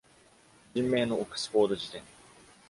「人名のオックスフォード辞典」。